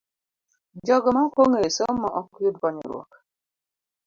Jogo ma ok ong'eyo somo ok yud konyruok.